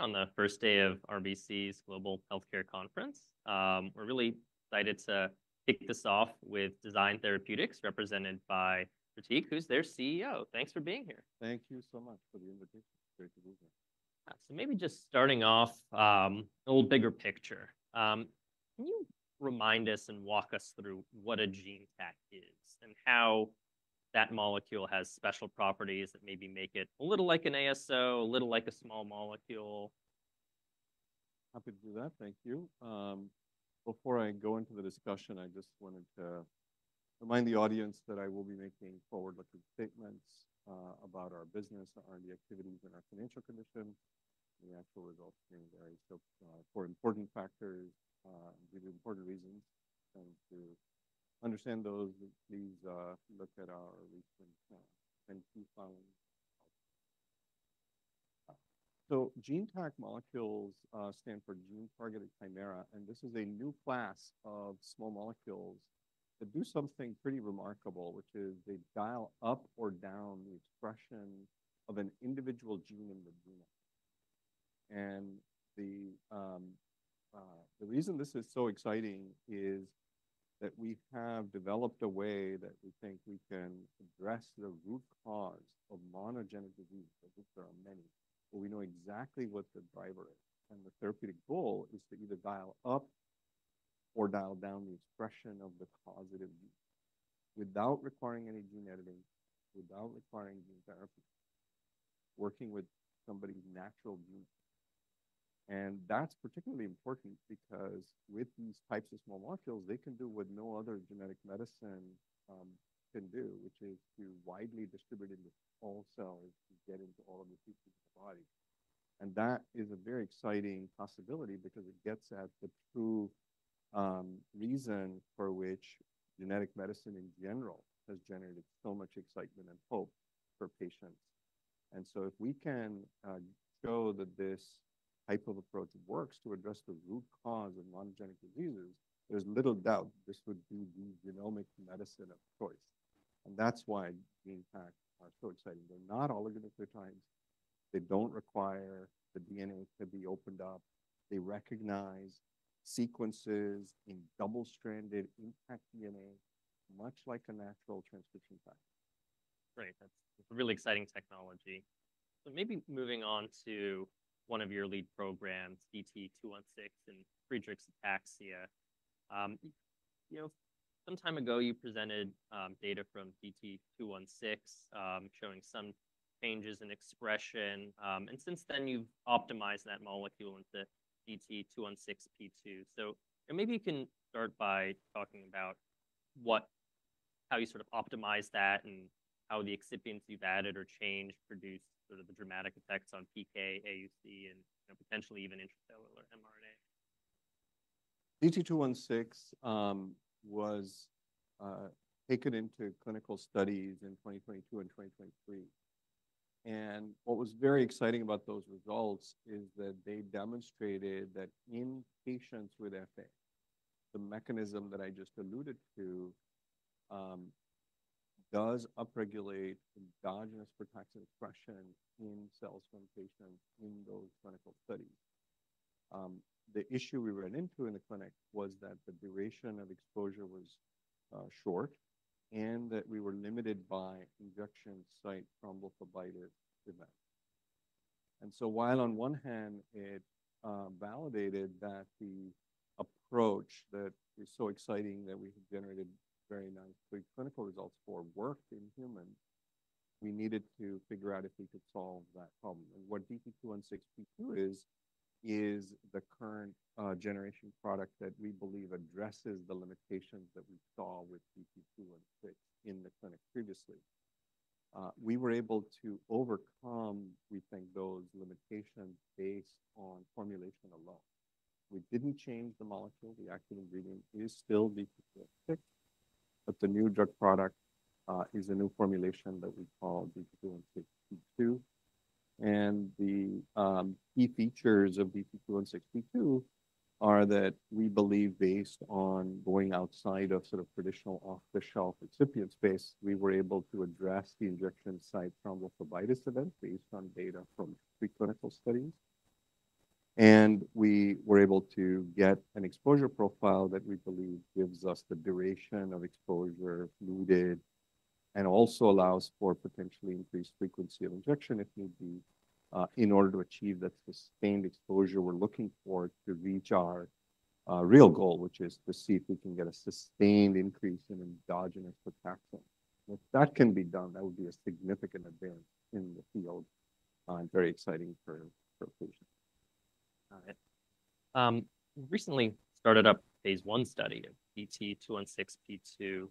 On the first day of RBC's Global Healthcare Conference, we're really excited to kick this off with Design Therapeutics, represented by Pratik, who's their CEO. Thanks for being here. Thank you so much for the invitation. Great to be here. Maybe just starting off, a little bigger picture. Can you remind us and walk us through what a gene tag is and how that molecule has special properties that maybe make it a little like an ASO, a little like a small molecule? Happy to do that. Thank you. Before I go into the discussion, I just wanted to remind the audience that I will be making forward-looking statements about our business, our R&D activities, and our financial condition. The actual results are very important factors and really important reasons. To understand those, please look at our recent NP file. Gene tag molecules stand for gene-targeted chimera, and this is a new class of small molecules that do something pretty remarkable, which is they dial up or down the expression of an individual gene in the genome. The reason this is so exciting is that we have developed a way that we think we can address the root cause of monogenic disease. I think there are many, but we know exactly what the driver is. The therapeutic goal is to either dial up or dial down the expression of the causative gene without requiring any gene editing, without requiring gene therapy, working with somebody's natural gene. That is particularly important because with these types of small molecules, they can do what no other genetic medicine can do, which is to widely distribute into all cells to get into all of the pieces of the body. That is a very exciting possibility because it gets at the true reason for which genetic medicine in general has generated so much excitement and hope for patients. If we can show that this type of approach works to address the root cause of monogenic diseases, there is little doubt this would be the genomic medicine of choice. That is why gene tags are so exciting. They are not oligonucleotides. They don't require the DNA to be opened up. They recognize sequences in double-stranded intact DNA, much like a natural transcription type. Right. That's a really exciting technology. Maybe moving on to one of your lead programs, DT-216, and Friedreich's ataxia. Some time ago, you presented data from DT-216 showing some changes in expression. Since then, you've optimized that molecule into DT-216P2. Maybe you can start by talking about how you sort of optimized that and how the excipients you've added or changed produced the dramatic effects on PK, AUC, and potentially even intracellular mRNA. DT-216 was taken into clinical studies in 2022 and 2023. What was very exciting about those results is that they demonstrated that in patients with FA, the mechanism that I just alluded to does upregulate endogenous protective expression in cells from patients in those clinical studies. The issue we ran into in the clinic was that the duration of exposure was short and that we were limited by injection site thrombophlebitis event. While on one hand, it validated that the approach that is so exciting that we have generated very nice clinical results for worked in humans, we needed to figure out if we could solve that problem. What DT-216P2 is, is the current generation product that we believe addresses the limitations that we saw with DT-216 in the clinic previously. We were able to overcome, we think, those limitations based on formulation alone. We didn't change the molecule. The active ingredient is still DT-216, but the new drug product is a new formulation that we call DT-216P2. The key features of DT-216P2 are that we believe based on going outside of sort of traditional off-the-shelf excipients space, we were able to address the injection site thrombophlebitis event based on data from pre-clinical studies. We were able to get an exposure profile that we believe gives us the duration of exposure, eluted, and also allows for potentially increased frequency of injection if need be in order to achieve that sustained exposure we're looking for to reach our real goal, which is to see if we can get a sustained increase in endogenous protection. If that can be done, that would be a significant advance in the field and very exciting for patients. Got it. You recently started up phase one study of DT-216P2.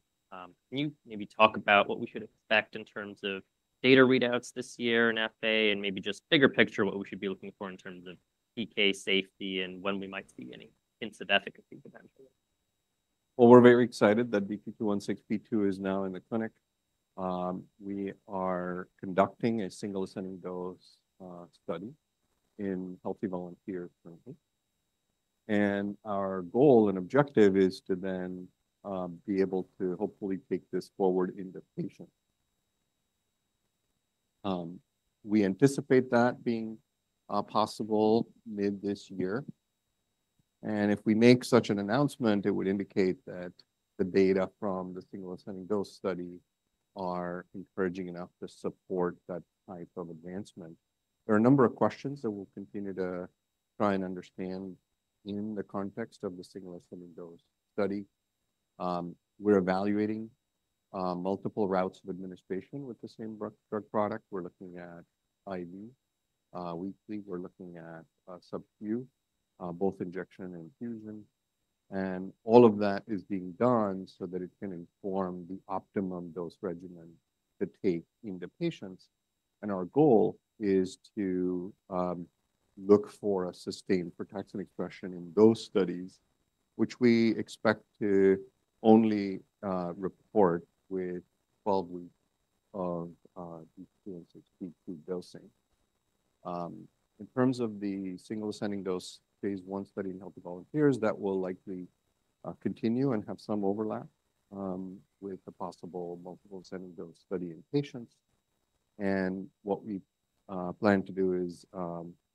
Can you maybe talk about what we should expect in terms of data readouts this year in FA and maybe just bigger picture, what we should be looking for in terms of PK safety and when we might see any hints of efficacy potentially? We are very excited that DT-216P2 is now in the clinic. We are conducting a single ascending dose study in healthy volunteers currently. Our goal and objective is to then be able to hopefully take this forward into patients. We anticipate that being possible mid this year. If we make such an announcement, it would indicate that the data from the single ascending dose study are encouraging enough to support that type of advancement. There are a number of questions that we will continue to try and understand in the context of the single ascending dose study. We are evaluating multiple routes of administration with the same drug product. We are looking at IV weekly. We are looking at subcu, both injection and infusion. All of that is being done so that it can inform the optimum dose regimen to take in the patients. Our goal is to look for a sustained protection expression in those studies, which we expect to only report with 12 weeks of DT-216P2 dosing. In terms of the single ascending dose phase I study in healthy volunteers, that will likely continue and have some overlap with the possible multiple ascending dose study in patients. What we plan to do is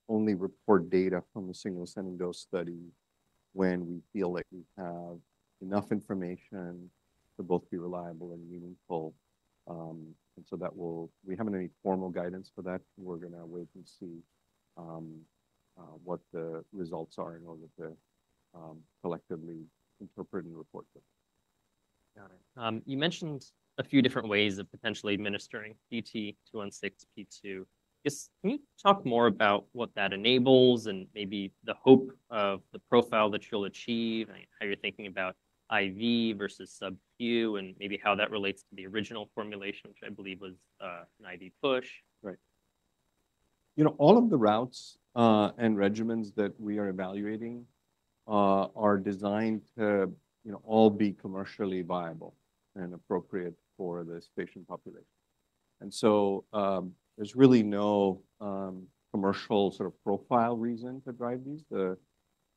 only report data from the single ascending dose study when we feel that we have enough information to both be reliable and meaningful. We have not given any formal guidance for that. We are going to wait and see what the results are in order to collectively interpret and report them. Got it. You mentioned a few different ways of potentially administering DT-216P2. Can you talk more about what that enables and maybe the hope of the profile that you'll achieve, how you're thinking about IV versus subcu and maybe how that relates to the original formulation, which I believe was an IV push? Right. You know, all of the routes and regimens that we are evaluating are designed to all be commercially viable and appropriate for this patient population. There is really no commercial sort of profile reason to drive these. The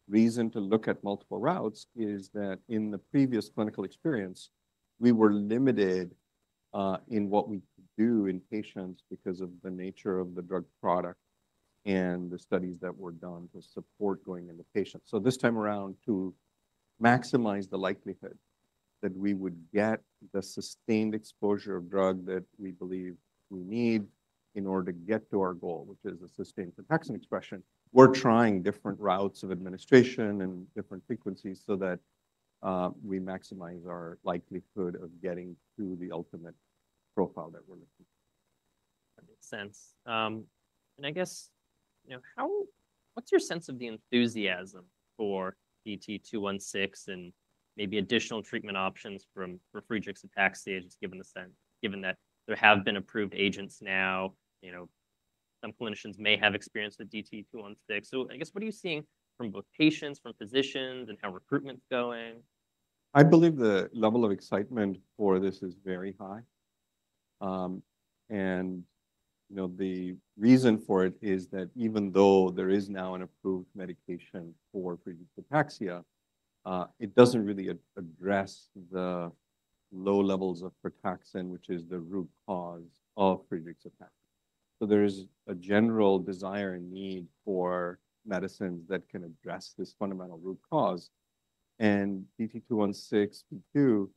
reason to look at multiple routes is that in the previous clinical experience, we were limited in what we could do in patients because of the nature of the drug product and the studies that were done to support going into patients. This time around, to maximize the likelihood that we would get the sustained exposure of drug that we believe we need in order to get to our goal, which is a sustained frataxin expression, we are trying different routes of administration and different frequencies so that we maximize our likelihood of getting to the ultimate profile that we are looking for. That makes sense. I guess, you know, what's your sense of the enthusiasm for DT-216 and maybe additional treatment options for Friedreich's ataxia, just given the sense given that there have been approved agents now? You know, some clinicians may have experience with DT-216. I guess, what are you seeing from both patients, from physicians, and how recruitment's going? I believe the level of excitement for this is very high. You know, the reason for it is that even though there is now an approved medication for Friedreich's ataxia, it doesn't really address the low levels of frataxin, which is the root cause of Friedreich's ataxia. There is a general desire and need for medicines that can address this fundamental root cause. DT-216P2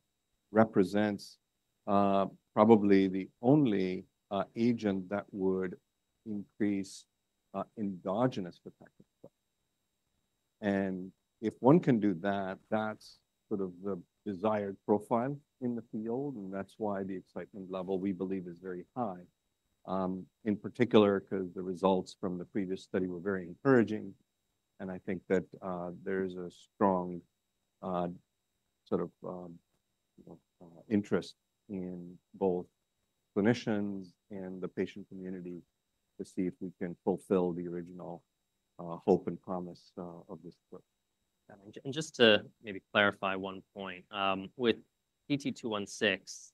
represents probably the only agent that would increase endogenous frataxin. If one can do that, that's sort of the desired profile in the field. That's why the excitement level we believe is very high, in particular because the results from the previous study were very encouraging. I think that there is a strong sort of interest in both clinicians and the patient community to see if we can fulfill the original hope and promise of this approach. Just to maybe clarify one point, with DT-216,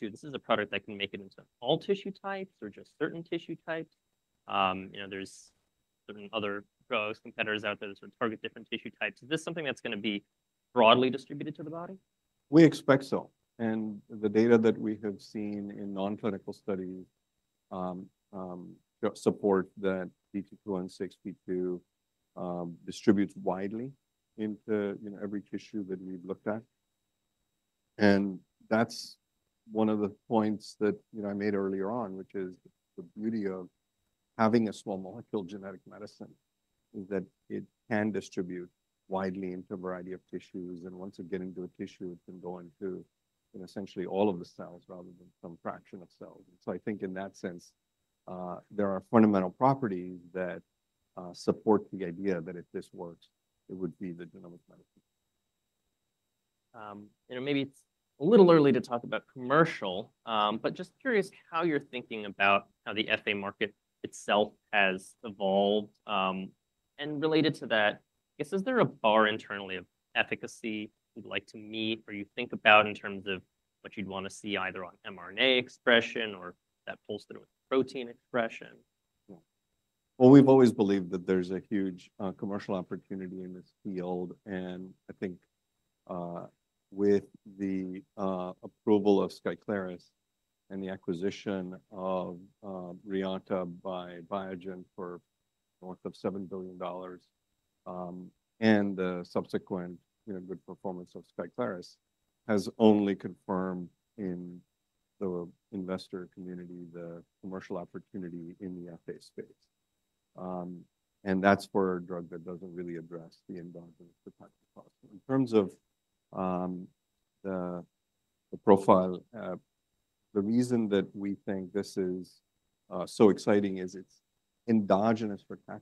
this is a product that can make it into all tissue types or just certain tissue types. You know, there are certain other competitors out there that sort of target different tissue types. Is this something that's going to be broadly distributed to the body? We expect so. The data that we have seen in non-clinical studies support that DT-216P2 distributes widely into every tissue that we've looked at. That is one of the points that, you know, I made earlier on, which is the beauty of having a small molecule genetic medicine is that it can distribute widely into a variety of tissues. Once it gets into a tissue, it can go into essentially all of the cells rather than some fraction of cells. I think in that sense, there are fundamental properties that support the idea that if this works, it would be the genomic medicine. You know, maybe it's a little early to talk about commercial, but just curious how you're thinking about how the FA market itself has evolved. Related to that, I guess, is there a bar internally of efficacy you'd like to meet or you think about in terms of what you'd want to see either on mRNA expression or that pulse through protein expression? We have always believed that there is a huge commercial opportunity in this field. I think with the approval of Skyclarys and the acquisition of Reata by Biogen for north of $7 billion and the subsequent good performance of Skyclarys has only confirmed in the investor community the commercial opportunity in the FA space. That is for a drug that does not really address the endogenous frataxin. In terms of the profile, the reason that we think this is so exciting is it is endogenous frataxin.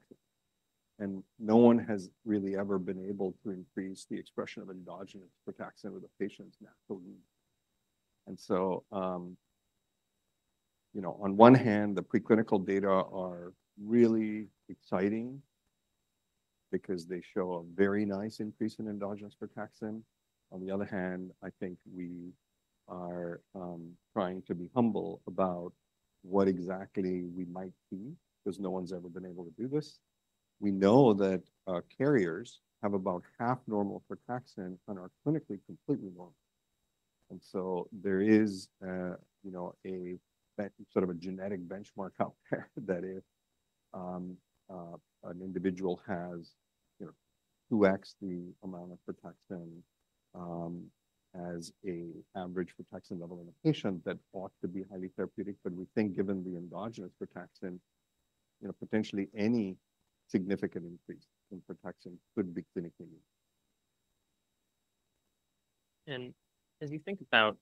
No one has really ever been able to increase the expression of endogenous frataxin with a patient's natural means. You know, on one hand, the preclinical data are really exciting because they show a very nice increase in endogenous frataxin. On the other hand, I think we are trying to be humble about what exactly we might see because no one's ever been able to do this. We know that carriers have about half normal protection and are clinically completely normal. There is, you know, a sort of a genetic benchmark out there that if an individual has 2x the amount of protection as an average protection level in a patient, that ought to be highly therapeutic. We think given the endogenous protection, you know, potentially any significant increase in protection could be clinically needed. As you think about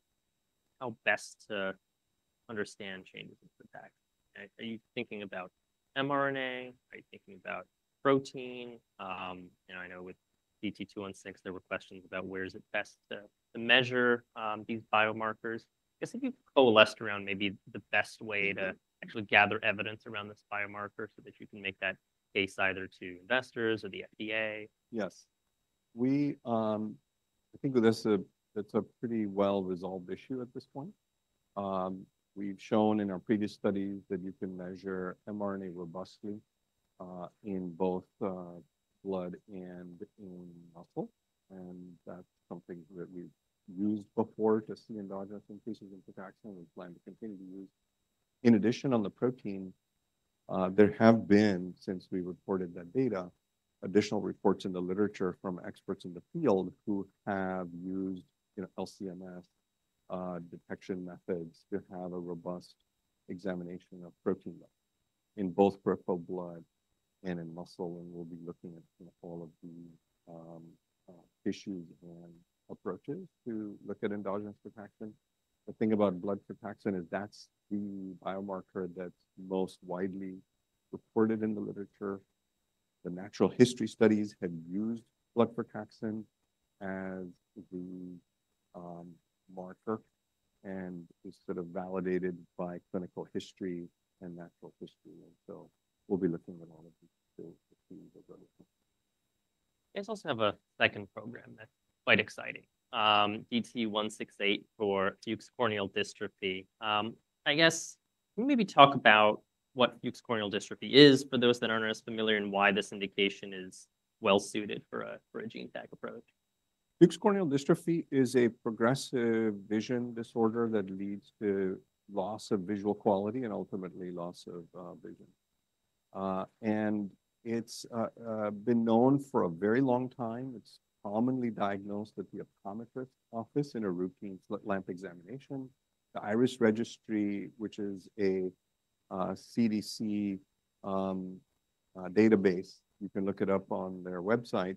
how best to understand changes in protection, are you thinking about mRNA? Are you thinking about protein? You know, I know with DT-216, there were questions about where is it best to measure these biomarkers. I guess if you coalesced around maybe the best way to actually gather evidence around this biomarker so that you can make that case either to investors or the FDA. Yes. I think that's a pretty well-resolved issue at this point. We've shown in our previous studies that you can measure mRNA robustly in both blood and in muscle. And that's something that we've used before to see endogenous increases in frataxin. We plan to continue to use. In addition, on the protein, there have been, since we reported that data, additional reports in the literature from experts in the field who have used LCMS detection methods to have a robust examination of protein levels in both peripheral blood and in muscle. And we'll be looking at all of the issues and approaches to look at endogenous frataxin. The thing about blood frataxin is that's the biomarker that's most widely reported in the literature. The natural history studies have used blood frataxin as the marker and is sort of validated by clinical history and natural history. We'll be looking at all of these to see what we're looking for. I guess I also have a second program that's quite exciting, DT-168 for Fuchs' corneal dystrophy. I guess can you maybe talk about what Fuchs' corneal dystrophy is for those that aren't as familiar and why this indication is well-suited for a gene tag approach? Fuchs' corneal dystrophy is a progressive vision disorder that leads to loss of visual quality and ultimately loss of vision. It has been known for a very long time. It is commonly diagnosed at the optometrist's office in a routine slit lamp examination. The IRIS registry, which is a CDC database, you can look it up on their website,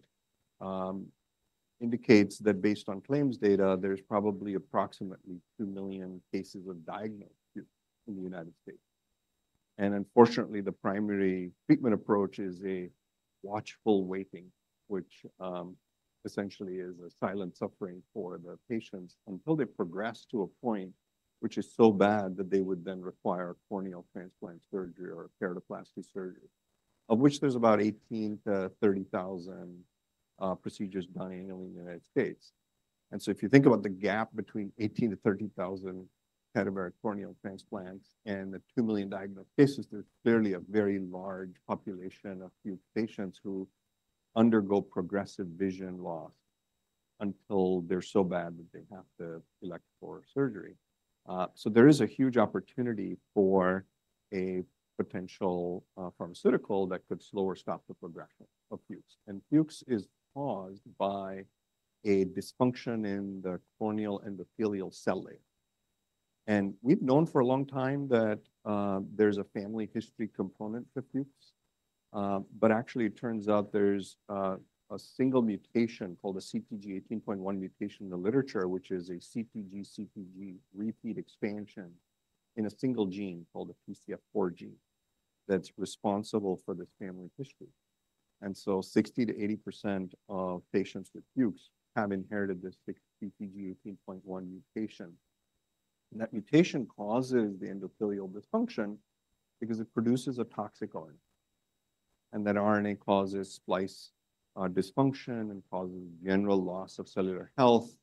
indicates that based on claims data, there are probably approximately 2 million cases diagnosed in the United States. Unfortunately, the primary treatment approach is a watchful waiting, which essentially is a silent suffering for the patients until they progress to a point which is so bad that they would then require corneal transplant surgery or keratoplasty surgery, of which there are about 18,000-30,000 procedures done annually in the United States. If you think about the gap between 18,000-30,000 category corneal transplants and the 2 million diagnosed cases, there's clearly a very large population of patients who undergo progressive vision loss until they're so bad that they have to elect for surgery. There is a huge opportunity for a potential pharmaceutical that could slow or stop the progression of Fuchs. Fuchs is caused by a dysfunction in the corneal endothelial cell layer. We've known for a long time that there's a family history component for Fuchs. Actually, it turns out there's a single mutation called the CTG18.1 mutation in the literature, which is a CTG/CTG repeat expansion in a single gene called the TCF4 gene that's responsible for this family history. 60%-80% of patients with Fuchs have inherited this CTG18.1 mutation. That mutation causes the endothelial dysfunction because it produces a toxic RNA. That RNA causes splice dysfunction and causes general loss of cellular health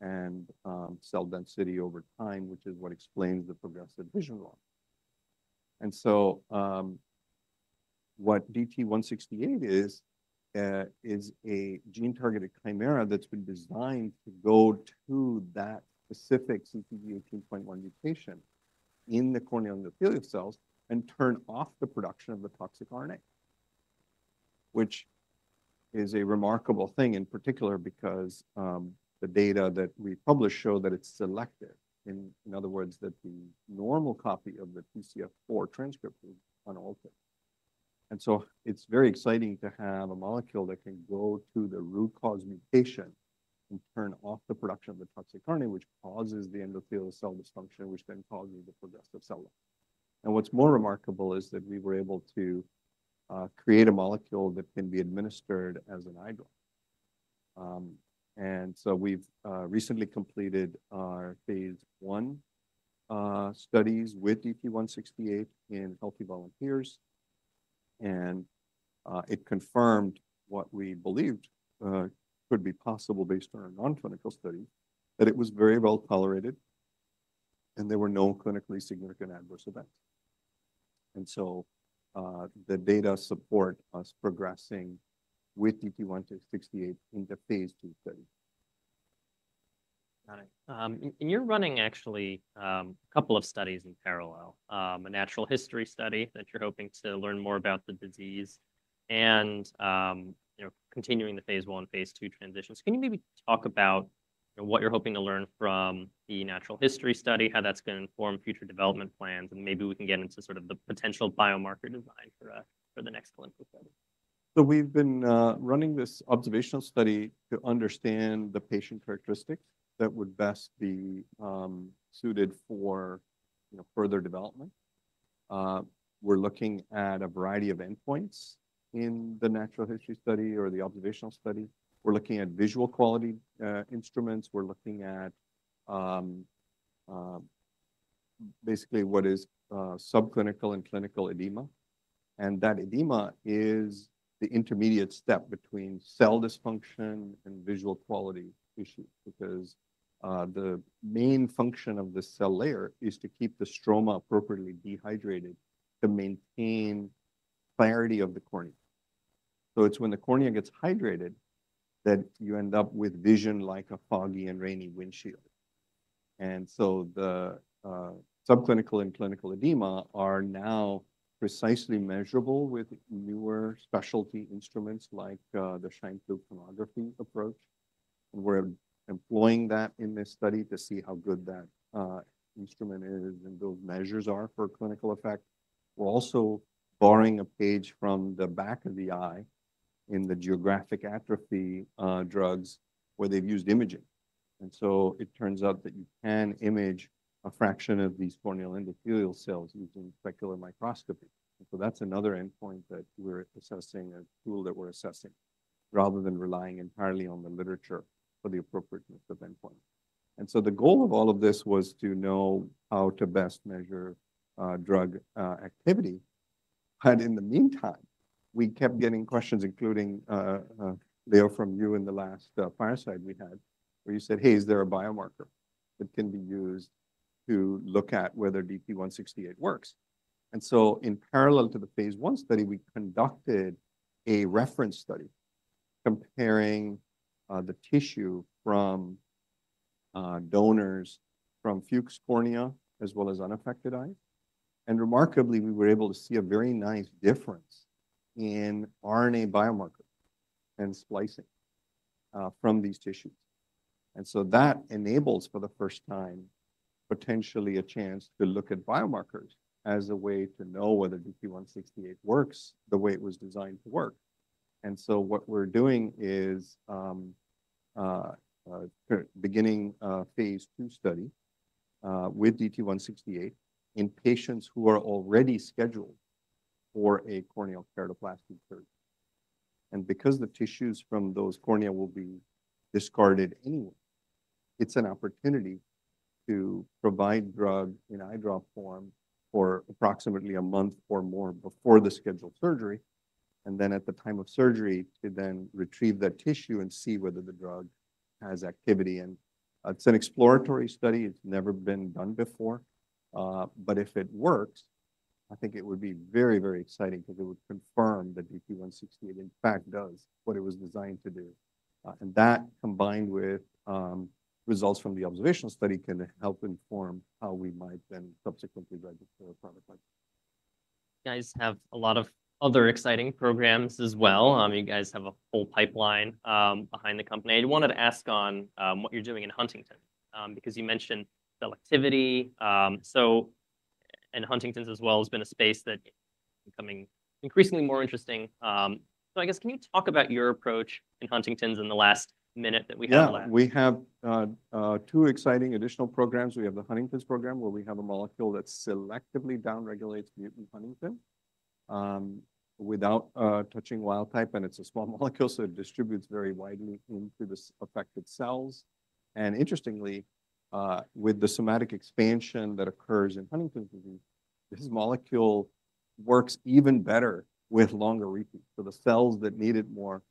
and cell density over time, which is what explains the progressive vision loss. What DT-168 is, is a gene-targeted chimera that's been designed to go to that specific CTG18.1 mutation in the corneal endothelial cells and turn off the production of the toxic RNA, which is a remarkable thing in particular because the data that we published show that it's selective. In other words, the normal copy of the TCF4 transcript is unaltered. It is very exciting to have a molecule that can go to the root cause mutation and turn off the production of the toxic RNA, which causes the endothelial cell dysfunction, which then causes the progressive cell loss. What is more remarkable is that we were able to create a molecule that can be administered as an eye drop. We have recently completed our phase one studies with DT-168 in healthy volunteers. It confirmed what we believed could be possible based on our non-clinical studies, that it was very well tolerated and there were no clinically significant adverse events. The data support us progressing with DT-168 in the phase two studies. Got it. You're running actually a couple of studies in parallel, a natural history study that you're hoping to learn more about the disease and continuing the phase one and phase two transitions. Can you maybe talk about what you're hoping to learn from the natural history study, how that's going to inform future development plans, and maybe we can get into sort of the potential biomarker design for the next clinical study? We've been running this observational study to understand the patient characteristics that would best be suited for further development. We're looking at a variety of endpoints in the natural history study or the observational study. We're looking at visual quality instruments. We're looking at basically what is subclinical and clinical edema. That edema is the intermediate step between cell dysfunction and visual quality issues because the main function of the cell layer is to keep the stroma appropriately dehydrated to maintain clarity of the cornea. It's when the cornea gets hydrated that you end up with vision like a foggy and rainy windshield. The subclinical and clinical edema are now precisely measurable with newer specialty instruments like the Shyam Patil tomography approach. We're employing that in this study to see how good that instrument is and those measures are for clinical effect. We're also borrowing a page from the back of the eye in the geographic atrophy drugs where they've used imaging. It turns out that you can image a fraction of these corneal endothelial cells using specular microscopy. That's another endpoint that we're assessing, a tool that we're assessing rather than relying entirely on the literature for the appropriateness of endpoints. The goal of all of this was to know how to best measure drug activity. In the meantime, we kept getting questions, including Leo from you in the last fireside we had, where you said, "Hey, is there a biomarker that can be used to look at whether DT-168 works?" In parallel to the phase one study, we conducted a reference study comparing the tissue from donors from Fuchs' cornea as well as unaffected eyes. Remarkably, we were able to see a very nice difference in RNA biomarker and splicing from these tissues. That enables for the first time potentially a chance to look at biomarkers as a way to know whether DT-168 works the way it was designed to work. What we're doing is beginning a phase II study with DT-168 in patients who are already scheduled for a corneal keratoplasty surgery. Because the tissues from those cornea will be discarded anyway, it's an opportunity to provide drug in eye drop form for approximately a month or more before the scheduled surgery. At the time of surgery, to then retrieve that tissue and see whether the drug has activity. It's an exploratory study. It's never been done before. If it works, I think it would be very, very exciting because it would confirm that DT-168 in fact does what it was designed to do. That combined with results from the observational study can help inform how we might then subsequently register a product like this. You guys have a lot of other exciting programs as well. You guys have a whole pipeline behind the company. I wanted to ask on what you're doing in Huntington because you mentioned selectivity. In Huntington's as well has been a space that's becoming increasingly more interesting. I guess can you talk about your approach in Huntington's in the last minute that we have left? Yeah, we have two exciting additional programs. We have the Huntington's program where we have a molecule that selectively downregulates mutant Huntington without touching wild type. And it's a small molecule, so it distributes very widely into the affected cells. Interestingly, with the somatic expansion that occurs in Huntington's disease, this molecule works even better with longer repeats. The cells that need it more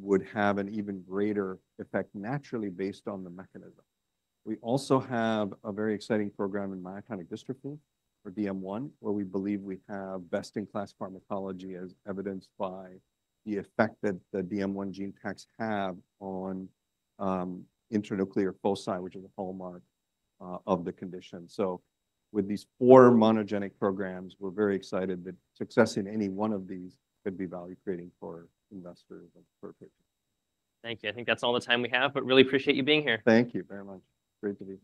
would have an even greater effect naturally based on the mechanism. We also have a very exciting program in myotonic dystrophy or DM1, where we believe we have best-in-class pharmacology as evidenced by the effect that the DM1 gene tags have on intranuclear foci, which is a hallmark of the condition. With these four monogenic programs, we're very excited that success in any one of these could be value-creating for investors and for patients. Thank you. I think that's all the time we have, but really appreciate you being here. Thank you very much. Great to be.